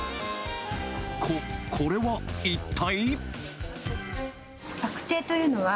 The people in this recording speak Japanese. こ、これは一体？